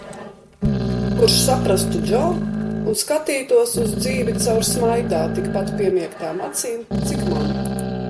Kurš saprastu Džo un skatītos uz dzīvi caur smaidā tikpat piemiegtām acīm, cik man.